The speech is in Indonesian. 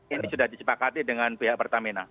ini sudah disepakati dengan pihak pertamina